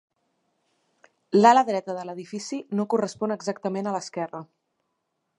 L'ala dreta de l'edifici no correspon exactament a l'esquerra.